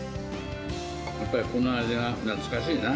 やっぱりこの味が懐かしいな。